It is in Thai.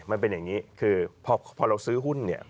มันเป็นอย่างนี้คือพอเราซื้อหุ้นเนี่ย